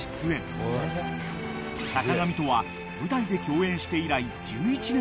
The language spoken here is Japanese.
［坂上とは舞台で共演して以来］